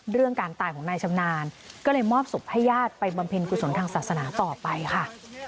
เรื่องการตายของนายชำนาญก็เลยมอบศพให้ญาติไปบำเพ็ญกุศลทางศาสนาต่อไปค่ะ